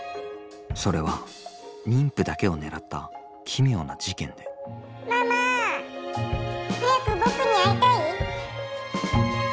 それは妊婦だけを狙った奇妙な事件で「ママ早く僕に会いたい？」。